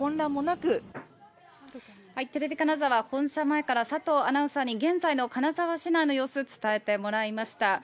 テレビ金沢本社前からさとうアナウンサーに、現在の金沢市内の様子、伝えてもらいました。